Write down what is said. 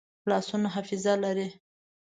لاسونه حافظه لري